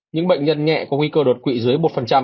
những bệnh nhân nhẹ có nguy cơ đột quỵ dưới một